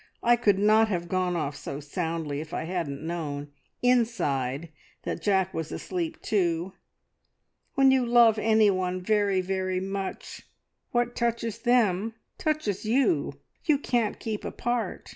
I could not have gone off so soundly if I hadn't known, inside, that Jack was asleep too. When you love anyone very, very much, what touches them touches you. You can't keep apart.